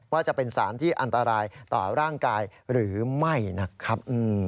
ว่าจะเป็นสารที่อันตรายต่อร่างกายหรือไม่นะครับ